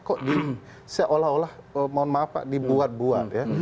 kok seolah olah mohon maaf pak dibuat buat ya